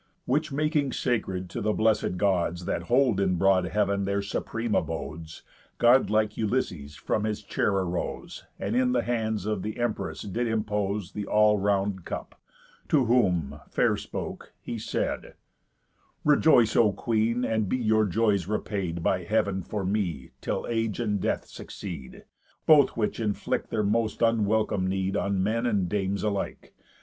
Which making sacred to the blessed Gods, That hold in broad heav'n their supreme abodes, God like Ulysses from his chair arose, And in the hands of th' empress did impose The all round cup; to whom, fair spoke, he said: "Rejoice, O queen, and be your joys repaid By heav'n, for me, till age and death succeed; Both which inflict their most unwelcome need On men and dames alike.